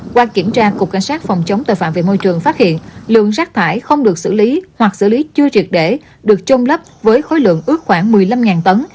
qua kiểm tra cục cảnh sát phòng chống tội phạm về môi trường phát hiện lượng rác thải không được xử lý hoặc xử lý chưa triệt để được trôn lấp với khối lượng ước khoảng một mươi năm tấn